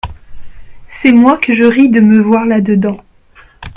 C'est moi que je ris de me voir là dedans …